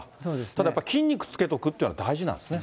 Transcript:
ただやっぱ筋肉つけとくというのは大事なんですね。